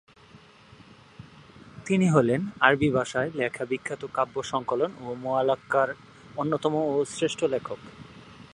তিনি হলেন আরবি ভাষায় লেখা বিখ্যাত কাব্য সংকলন মুআল্লাক্বা র অন্যতম ও শ্রেষ্ঠ লেখক।